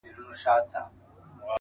• له سدیو انتظاره مېړنی پکښي پیدا کړي -